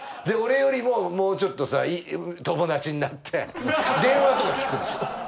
で俺よりももうちょっとさ友達になって電話とか聞くでしょ。